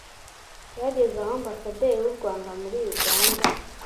Byageze aho Ambasaderi w’u Rwanda muri Uganda